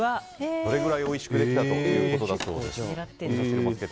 それぐらいおいしくできたということだそうです。